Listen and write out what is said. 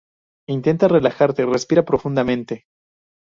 intenta relajarte. respira profundamente.